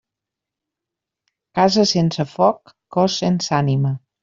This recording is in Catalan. Casa sense foc, cos sense ànima.